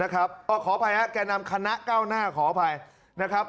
ขออภัยครับแก่นำคณะเก้าหน้าขออภัยนะครับ